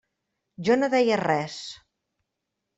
Jo no deia res.